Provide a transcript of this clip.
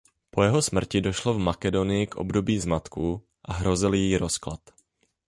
Po jeho smrti došlo v Makedonii k období zmatků a hrozil její rozklad.